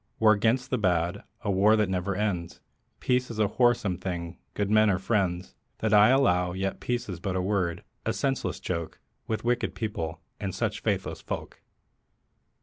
War 'gainst the bad, a war that never ends; Peace is a wholesome thing, good men are friends. That I allow; yet peace is but a word, a senseless joke, With wicked people, and such faithless folk.